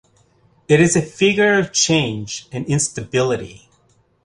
It is a figure of change and instability.